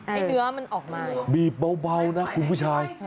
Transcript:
ให้เนื้อมันออกมาบีบเบานะคุณผู้ชาย